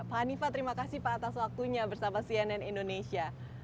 pak hanifah terima kasih pak atas waktunya bersama cnn indonesia